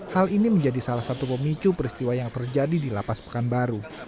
hal ini menjadi salah satu pemicu peristiwa yang terjadi di lapas pekanbaru